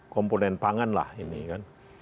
komponen pangan lah ini kan